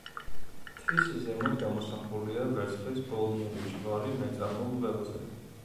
მთის ზემოთ გამოსახულია ვერცხლის ბოლნური ჯვარი მეწამულ ველზე.